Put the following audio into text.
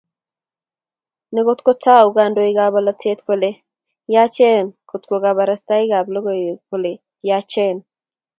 Nekototoku kandoikab bolatet kole yachen kotoku koborostoikab logoiwek kole yachen